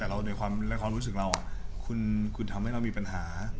แต่ความรู้สึกเราคุณทำให้เรามีปัญหา